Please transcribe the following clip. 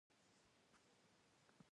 موږ ټول پلان جوړ کړى و.